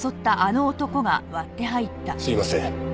すいません。